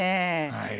はい。